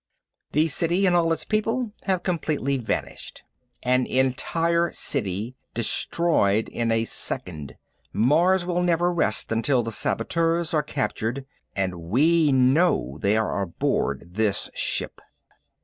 The city and all its people have completely vanished. An entire city destroyed in a second! Mars will never rest until the saboteurs are captured. And we know they are aboard this ship."